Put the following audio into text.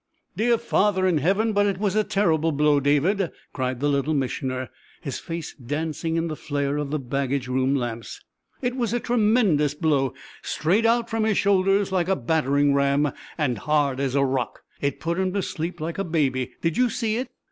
"Dear Father in Heaven, but it was a terrible blow, David!" cried the Little Missioner, his face dancing in the flare of the baggage room lamps. "It was a tre_men_dous blow straight out from his shoulders like a battering ram, and hard as rock! It put him to sleep like a baby. Did you see it?"